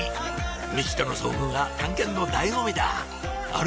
未知との遭遇が探検の醍醐味だあれ？